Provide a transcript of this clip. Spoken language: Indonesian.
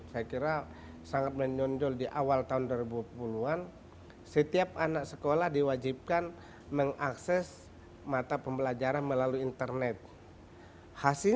saya kira sangat menyundul di awal tahun dua ribu sepuluh an setiap anak sekolah diwajibkan mengakses mata